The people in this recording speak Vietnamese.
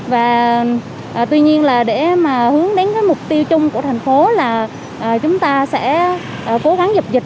và tuy nhiên là để mà hướng đến cái mục tiêu chung của thành phố là chúng ta sẽ cố gắng dập dịch